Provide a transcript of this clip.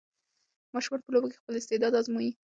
ماشومان په لوبو کې خپل استعداد ازمويي.